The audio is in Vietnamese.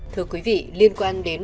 thưa quý vị liên quan đến